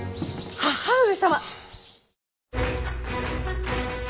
母上様！